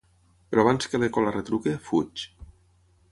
Però abans que l'eco la retruque, fuig.